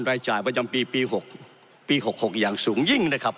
รายจ่ายประจำปีปี๖ปี๖๖อย่างสูงยิ่งนะครับ